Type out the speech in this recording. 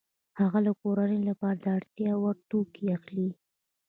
هغه د کورنۍ لپاره د اړتیا وړ توکي اخلي